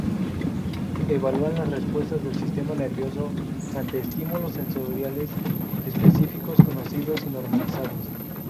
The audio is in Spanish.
Evalúan las respuestas del sistema nervioso ante estímulos sensoriales específicos conocidos y normalizados.